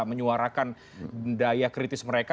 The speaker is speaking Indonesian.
menyuarakan daya kritis mereka